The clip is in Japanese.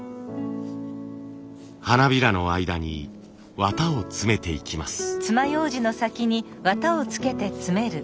花びらの間に綿を詰めていきます。